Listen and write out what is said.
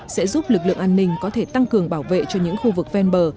sẽ giúp lực lượng an ninh có thể tăng cường bảo vệ cho những khu vực ven bờ